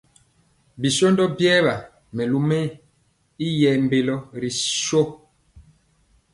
Bi shóndo biɛɛ melu mɛɛ y yɛɛ mbélo ri shó.